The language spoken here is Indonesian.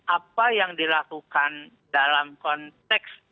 apa yang dilakukan dalam konteks